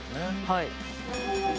はい。